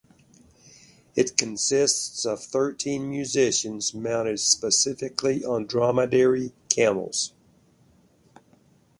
It consists of thirteen musicians mounted specifically on Dromedary camels.